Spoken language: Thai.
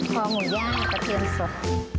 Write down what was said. พอหมูย่างกระเทียมสด